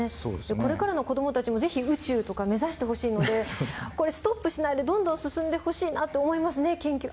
これからの子供たちもぜひ宇宙とか目指してほしいのでそれストップしないでどんどん進んでほしいなって思いますね研究。